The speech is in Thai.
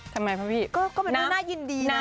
ทำไมพระพี่ก็เป็นเรื่องน่ายินดีนะ